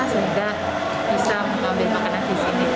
sehingga bisa mengambil makanan di sini